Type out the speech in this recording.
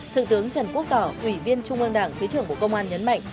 thượng tướng trần quốc tỏ ủy viên trung ương đảng thứ trưởng bộ công an nhấn mạnh